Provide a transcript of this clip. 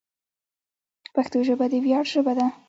پښتو ژبه د ویاړ ژبه ده.